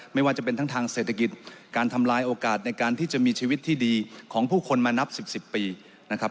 ไม่ว่าจะเป็นทั้งทางเศรษฐกิจการทำลายโอกาสในการที่จะมีชีวิตที่ดีของผู้คนมานับ๑๐ปีนะครับ